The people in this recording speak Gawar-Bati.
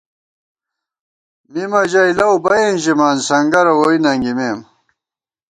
مِمہ ژَئی لَؤبئیں ژِمان، سنگَرہ ووئی ننگِمېم